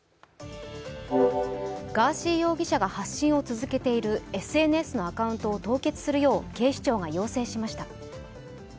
ガーシー容疑者が発信を続けているＳＮＳのアカウントを凍結するよう警視庁が要請しました。